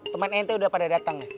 temen ente udah pada dateng